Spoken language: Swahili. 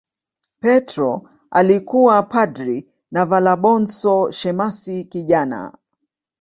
Petro alikuwa padri na Valabonso shemasi kijana.